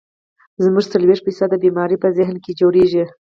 زمونږ څلوېښت فيصده بيمارۍ پۀ ذهن کښې جوړيږي